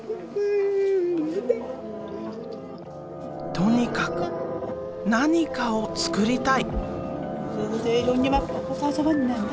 とにかく何かを作りたい。